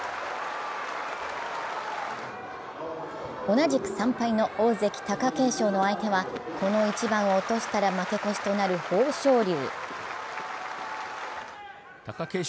同じく３敗の大関・貴景勝の相手はこの一番を落としたら負け越しとなる豊昇龍。